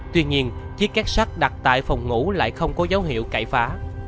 tuy nhiên chiếc két sắt đặt tại phòng ngủ lại không có dấu hiệu cải phá